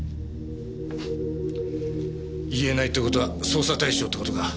言えないってことは捜査対象ってことか。